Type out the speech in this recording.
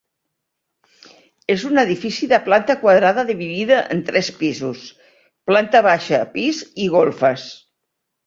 És un edifici de planta quadrada dividida en tres pisos: planta baixa, pis i golfes.